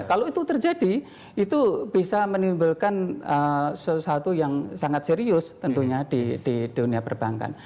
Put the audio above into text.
kalau itu terjadi itu bisa menimbulkan sesuatu yang sangat serius tentunya di dunia perbankan